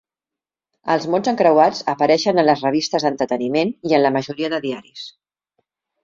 Els mots encreuats apareixen en les revistes d'entreteniment i en la majoria de diaris.